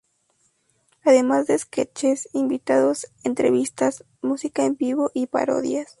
Además de sketches, invitados, entrevistas, música en vivo, y parodias.